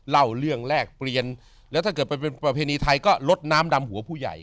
เล่าเรื่องแรกเปลี่ยนแล้วถ้าเกิดไปเป็นประเพณีไทยก็ลดน้ำดำหัวผู้ใหญ่